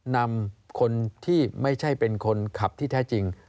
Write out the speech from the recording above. นำคนที่ไม่ใช่เป็นคนขับที่แท้จริง